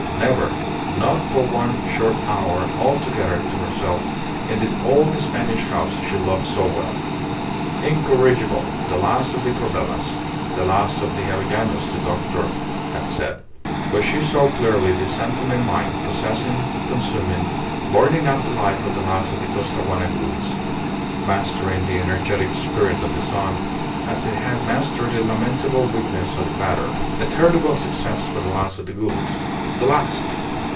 Never; not for one short hour altogether to herself in this old Spanish house she loved so well! Incorrigible, the last of the Corbelans, the last of the Avellanos, the doctor had said; but she saw clearly the San Tome mine possessing, consuming, burning up the life of the last of the Costaguana Goulds; mastering the energetic spirit of the son as it had mastered the lamentable weakness of the father. A terrible success for the last of the Goulds. The last!